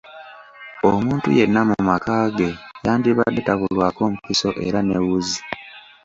Omuntu yenna mu maka ge yandibadde tabulwako mpiso era ne wuzi.